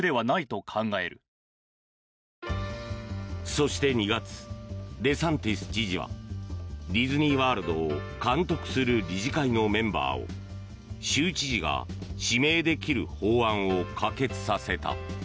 そして、２月デサンティス知事はディズニー・ワールドを監督する理事会のメンバーを州知事が指名できる法案を可決させた。